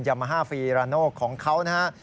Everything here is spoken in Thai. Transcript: ยามาฮาฟีราโน่ของเขานะฮะ